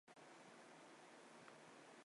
区之前。